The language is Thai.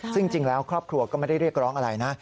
ซึ่งจริงแล้วครอบครัวก็ไม่ได้เรียกร้องอะไรนะ